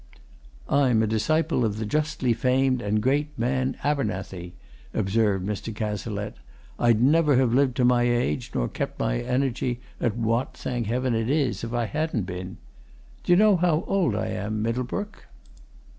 "I'm a disciple of the justly famed and great man, Abernethy," observed Mr. Cazalette. "I'd never have lived to my age nor kept my energy at what, thank Heaven, it is, if I hadn't been. D'ye know how old I am, Middlebrook?"